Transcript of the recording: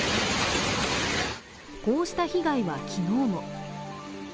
こうした被害は昨日も。